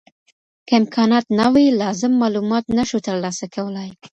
که امکانات نه وي لازم معلومات نه شو ترلاسه کولای.